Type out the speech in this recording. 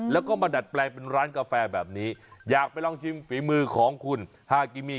แล้วก็มาดัดแปลงเป็นร้านกาแฟแบบนี้อยากไปลองชิมฝีมือของคุณฮากิมี